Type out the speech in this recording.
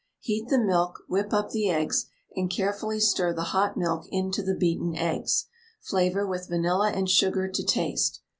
Heat the milk, whip up the eggs, and carefully stir the hot milk into the beaten eggs; flavour with vanilla and sugar to taste.